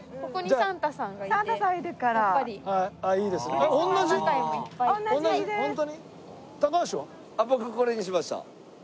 あっ僕これにしました。